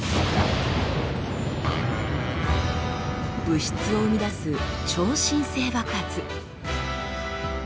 物質を生み出す超新星爆発。